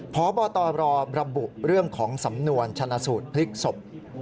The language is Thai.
พบตรระบุเรื่องของสำนวนชนะสูตรพลิกศพ